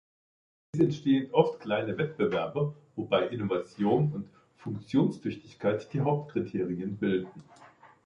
Es entstehen oft kleine Wettbewerbe, wobei Innovation und Funktionstüchtigkeit die Hauptkriterien bilden.